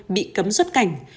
bị cấm xuất cảnh